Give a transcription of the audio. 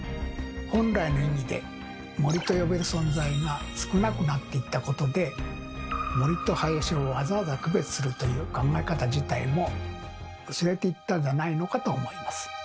本来の意味で「森」と呼べる存在が少なくなっていったことで森と林をわざわざ区別するという考え方自体も薄れていったんじゃないのかと思います。